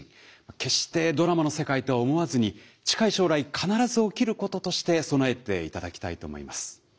決してドラマの世界とは思わずに近い将来必ず起きることとして備えていただきたいと思います。